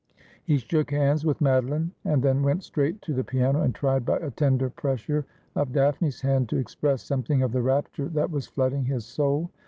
He shook hands with Madoline, and then went straight to the piano, and tried by a tender pressure of Daphne's hand to express something of the rapture that was flooding his soul.